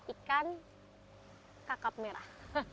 ikan kakap merah